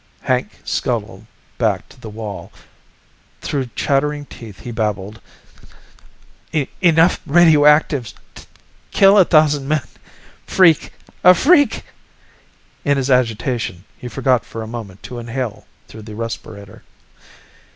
Hank scuttled back to the wall. Through chattering teeth he babbled, "... enough radioactives ... kill a thousand men ... freak ... a freak ..." In his agitation he forgot for a moment to inhale through the respirator.